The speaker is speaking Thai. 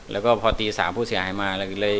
แล้วก็พอตีสามผู้เสียหายมา